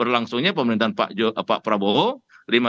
berlangsungnya pemerintahan pak prabowo